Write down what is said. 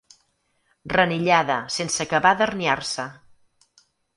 Renillada sense acabar d'herniar-se.